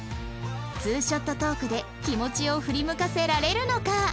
ツーショットトークで気持ちを振り向かせられるのか？